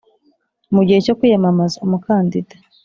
Mu gihe cyo kwiyamamaza umukandida